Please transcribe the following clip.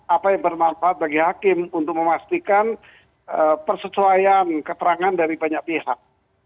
apa yang bermanfaat bagi hakim untuk memastikan persesuaian keterangan dari banyak pihak